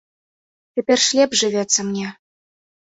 Цяпер лепш жывецца мне.